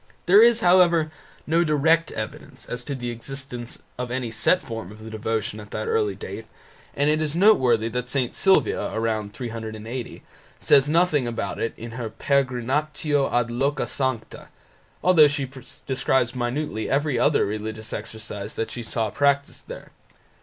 There is, however, no direct evidence as to the existence of any set form of the devotion at that early date, and it is noteworthy that St. Sylvia (c. 380) says nothing about it in her "Peregrinatio ad loca sancta", although she describes minutely every other religious exercise that she saw practised there.